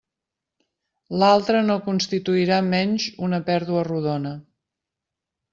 L'altra no constituirà menys una pèrdua rodona.